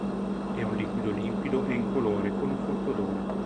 È un liquido limpido e incolore con un forte odore.